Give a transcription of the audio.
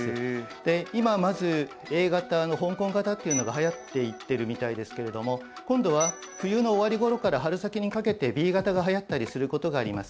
で今まずＡ型の香港型というのが流行っていってるみたいですけれども今度は冬の終わり頃から春先にかけてＢ型が流行ったりする事があります。